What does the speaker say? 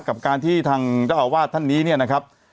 กับการที่ทางเจ้าอาวาสท่านนี้เนี่ยนะครับ